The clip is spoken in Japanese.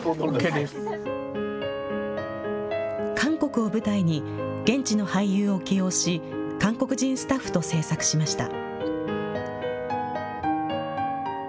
韓国を舞台に、現地の俳優を起用し、韓国人スタッフと製作しました。